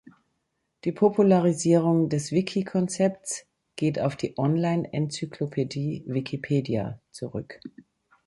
Die Popularisierung des Wiki-Konzeptes geht auf die Online-Enzyklopädie "Wikipedia" zurück.